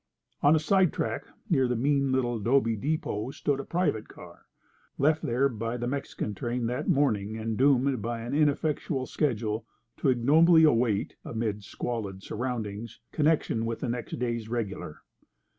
On a side track near the mean little 'dobe depot stood a private car, left there by the Mexican train that morning and doomed by an ineffectual schedule to ignobly await, amid squalid surroundings, connection with the next day's regular.